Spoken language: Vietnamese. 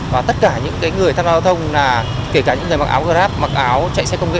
và tất cả những người tham gia giao thông kể cả những người mặc áo grab mặc áo chạy xe công nghệ